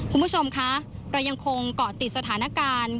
คุณผู้ชมคะเรายังคงเกาะติดสถานการณ์